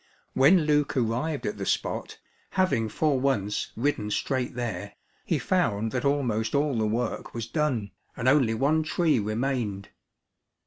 When Luke arrived at the spot, having for once ridden straight there, he found that almost all the work was done, and only one tree remained.